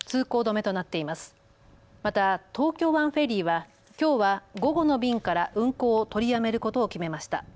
また東京湾フェリーはきょうは午後の便から運航を取りやめることを決めました。